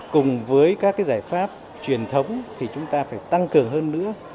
cùng với các cái giải pháp truyền thống thì chúng ta phải tăng cường hơn nữa